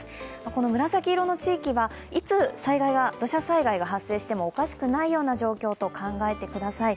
この紫色の地域はいつ、土砂災害が発生してもおかしくないような状況と考えてください。